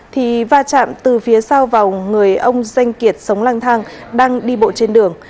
thì va chạm từ phía sau vào người ông danh kiệt sống lang thang đang đi bộ trên đường